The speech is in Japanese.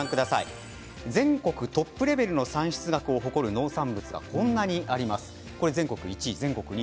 全国トップレベルの産出額を誇る農産物がこんなにあります。